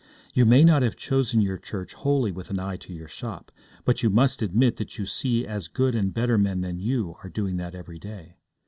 You may not have chosen your church wholly with an eye to your shop; but you must admit that you see as good and better men than you are doing that every day.